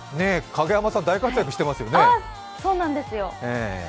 影山さん、大活躍してますよね。